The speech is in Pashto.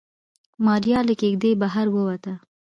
ماريا له کېږدۍ بهر ووته.